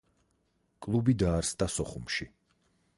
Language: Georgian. კლუბი დაარსდა სოხუმში.